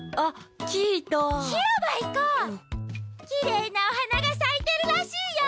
きれいなおはながさいてるらしいよ！